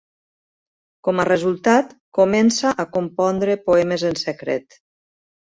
Com a resultat, comença a compondre poemes en secret.